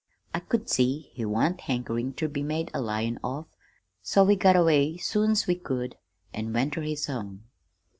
I could see he wan't hankerin' ter be made a lion of, so we got away soon's we could an' went ter his home.